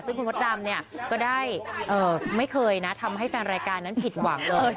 ซึ่งคุณมดดำเนี่ยก็ได้ไม่เคยนะทำให้แฟนรายการนั้นผิดหวังเลย